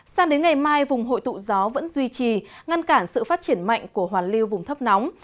sang đến ngày mai vùng hội tụ gió vẫn duy trì ngăn cản sự phát triển mạnh của hoàn lưu vùng thấp nóng